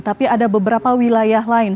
tapi ada beberapa wilayah lain